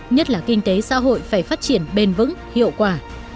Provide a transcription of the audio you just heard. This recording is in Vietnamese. nhất là kinh tế xã hội phải phát triển bền vững hiệu quả